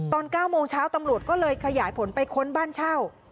ตอน๙โมงเช้าตำรวจก็เลยขยายผลไปค้นบ้านเช่า